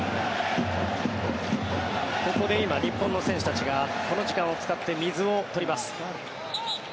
ここで今日本の選手たちがこの時間を使って水を取ります。